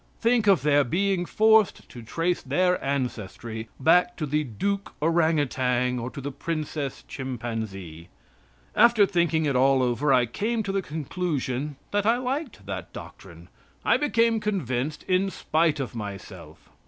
Think of their being forced to trace their ancestry back to the Duke Orang Outang or to the Princess Chimpanzee. After thinking it all over I came to the conclusion that I liked that doctrine. I became convinced in spite of myself.